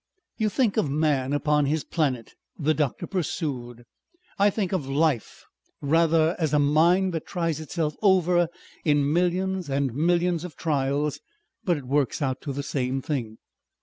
"You think of man upon his planet," the doctor pursued. "I think of life rather as a mind that tries itself over in millions and millions of trials. But it works out to the same thing."